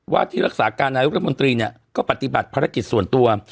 ที่รักษาการนายกรัฐมนตรีเนี่ยก็ปฏิบัติภารกิจส่วนตัว